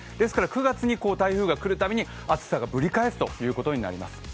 ９月に台風が来るたびに暑さがぶり返すということになります。